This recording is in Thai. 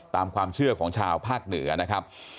ตามความเชื่อของชาวภาคเหนือนะครับ